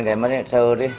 rồi mới sơ